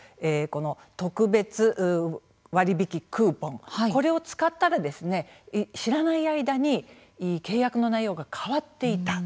特別割引クーポンこれを使ったら知らない間に契約の内容が変わっていた。